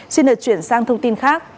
xin được chuyển sang thông tin khác